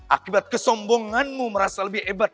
akibat kesombonganmu merasa lebih hebat